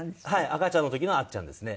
赤ちゃんの時のあっちゃんですね。